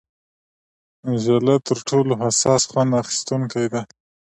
ژله تر ټولو حساس خوند اخیستونکې ده.